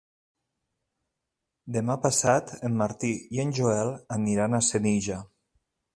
Demà passat en Martí i en Joel aniran a Senija.